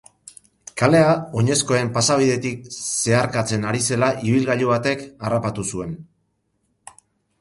Kalea oinezkoen pasabidetik zeharkatzen ari zela ibilgailu batek harrapatu zuen.